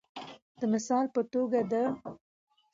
د مثال په توګه د